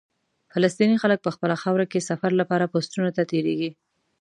فلسطیني خلک په خپله خاوره کې سفر لپاره پوسټونو ته تېرېږي.